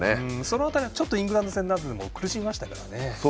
その辺りイングランド戦なんかでも苦しみましたからね。